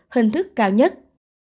hình thức cao nhất